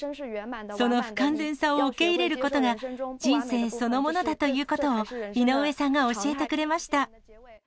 その不完全さを受け入れることが、人生そのものだということを、井上さんが教えてくれました。